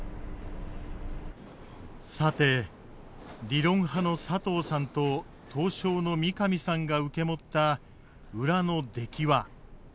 さて理論派の佐藤さんと刀匠の三上さんが受け持った裏の出来は。